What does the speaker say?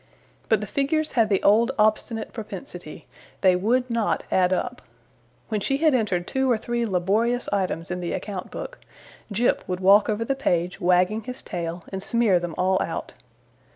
But the figures had the old obstinate propensity they WOULD NOT add up. When she had entered two or three laborious items in the account book, Jip would walk over the page, wagging his tail, and smear them all out.